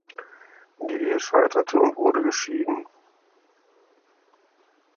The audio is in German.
Die Ehe scheiterte und wurde geschieden.